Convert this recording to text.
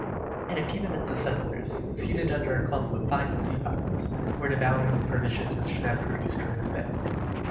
In a few minutes the settlers, seated under a clump of fine sea pines, were devouring the provisions which Neb produced from his bag.